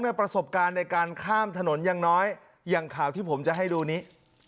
ประสบการณ์ในการข้ามถนนอย่างน้อยอย่างข่าวที่ผมจะให้ดูนี้